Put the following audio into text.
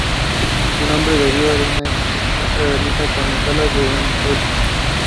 Zwickau is located in southwestern Saxony.